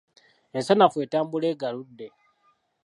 Ensanafu etambula egaludde.